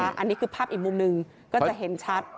อันนี้คือภาพอีกมุมหนึ่งก็จะเห็นชัด